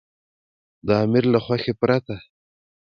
د امیر له خوښې پرته.